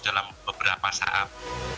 dalam beberapa saat